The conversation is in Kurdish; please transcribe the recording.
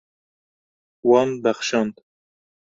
Wan bexşand.